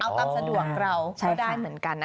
เอาตามสะดวกเราก็ได้เหมือนกันนะ